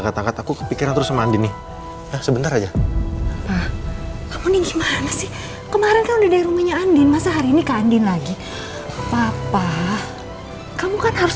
berangkat aku kepikiran terus mandi nih sebentar aja kemarin kemarin lagi papa kamu kan harus